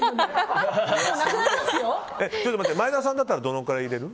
前田さんだったらどのくらい入れる？